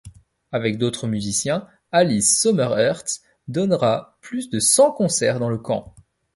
Avec d'autres musiciens, Alice Sommer-Herz donnera plus de cent concerts dans le camp.